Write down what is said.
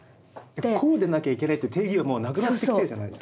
こうでなきゃいけないっていう定義はもうなくなってきてるじゃないですか。